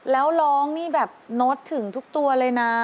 แล้วร้องนี่แบบโน้ตถึงทุกตัวเลยนะ